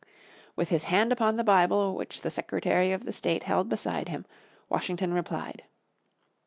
With his hand upon the Bible which the Secretary of the Senate held beside him Washington replied.